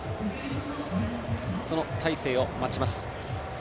その大勢を待ちます。